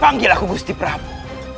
panggil aku gusti prabu